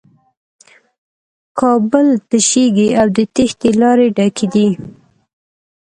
کابل تشېږي او د تېښې لارې ډکې دي.